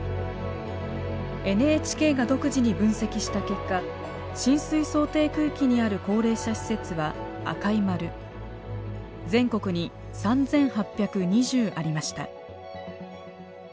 ＮＨＫが独自に分析した結果浸水想定区域にある高齢者施設は赤い丸全国に３，８２０ありました。